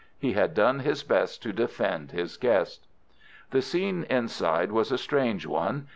He had done his best to defend his guest. The scene inside was a strange one.